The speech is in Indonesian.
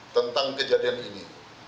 tentang kejadian ini